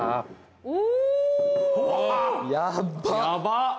お！